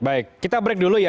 baik kita break dulu ya